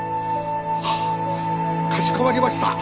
はっかしこまりました。